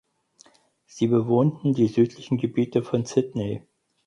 Sie bewohnten die südlichen Gebiete von Sydney.